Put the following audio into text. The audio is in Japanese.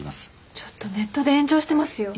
ちょっとネットで炎上してますよ。